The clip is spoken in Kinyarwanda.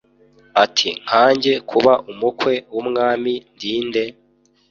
ati “Nkanjye kuba umukwe w’umwami ndi nde?